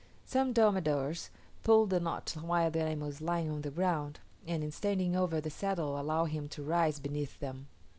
Some "domidors" pull the knot while the animal is lying on the ground, and, standing over the saddle, allow him to rise beneath them.